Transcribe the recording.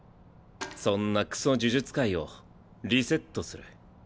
そんなクソ呪術界をリセットする。